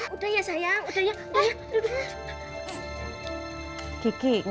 udah ya sayang